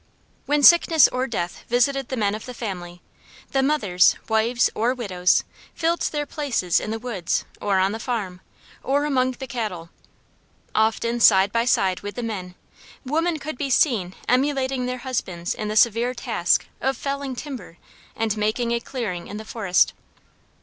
When sickness or death visited the men of the family, the mothers, wives, or widows filled their places in the woods, or on the farm, or among the cattle. Often, side by side with the men, women could be seen emulating their husbands in the severe task of felling timber and making a clearing in the forest.